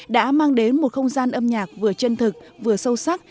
đã mang đến một không gian âm nhạc vừa chân thực vừa sâu sắc